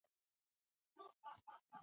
实验室常用的是氢氧化铯一水合物。